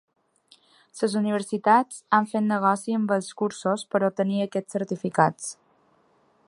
Les universitats han fet negoci amb els cursos per a obtenir aquests certificats.